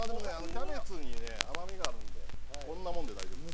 キャベツにね甘みがあるんでこんなもんで大丈夫です。